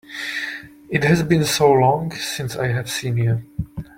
It has been so long since I have seen you!